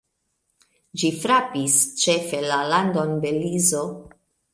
Ĝi frapis ĉefe la landon Belizo.